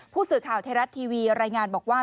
ผู้สื่อข่าวไทยรัฐทีวีรายงานบอกว่า